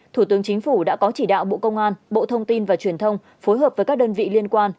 thủ tướng chính phủ đã có chỉ đạo bộ công an bộ thông tin và truyền thông phối hợp với các đơn vị liên quan